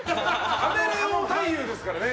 カメレオン俳優ですからね。